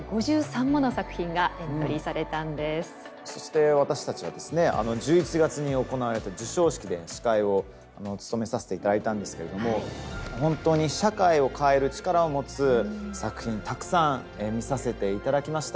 そして私たちは１１月に行われた授賞式で司会を務めさせて頂いたんですけれども本当に社会を変える力を持つ作品たくさん見させて頂きました。